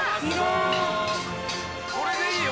これでいいよ